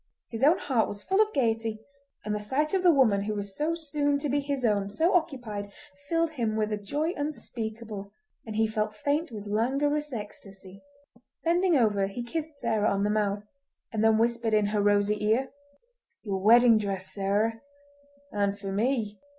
His own heart was full of gaiety, and the sight of the woman who was so soon to be his own so occupied, filled him with a joy unspeakable, and he felt faint with languorous ecstasy. Bending over he kissed Sarah on the mouth, and then whispered in her rosy ear— "Your wedding dress, Sarah! And for me!"